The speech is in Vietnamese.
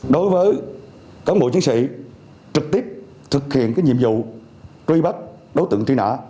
đối với các bộ chính sĩ trực tiếp thực hiện cái nhiệm vụ truy bắt đối tượng truy nã